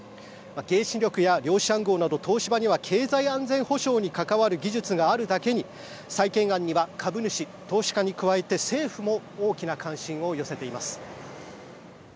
原子力や量子暗号など東芝には経済安全保障に関わる技術があるだけに、再建案には株主や投資家だけではなく政府も大きな関心を寄せています。